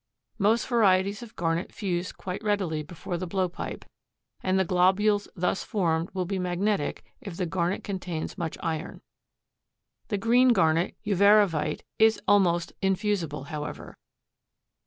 Most varieties of garnet fuse quite readily before the blowpipe, and the globules thus formed will be magnetic if the garnet contains much iron. The green garnet, uvarovite, is almost infusible, however.